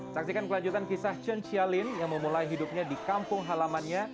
saksikan kelanjutan kisah chen cialin yang memulai hidupnya di kampung halamannya